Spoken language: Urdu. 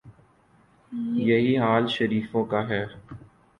یہی حال شریفوں کا ہے۔